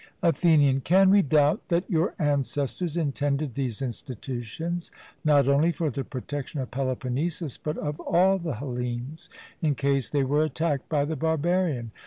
ATHENIAN: Can we doubt that your ancestors intended these institutions not only for the protection of Peloponnesus, but of all the Hellenes, in case they were attacked by the barbarian?